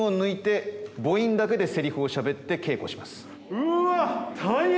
うわ！